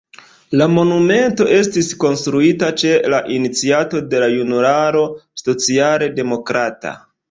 La monumento estis konstruita ĉe la iniciato de la Junularo socialdemokrata.